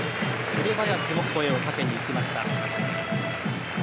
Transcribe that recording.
紅林も声をかけに行きました。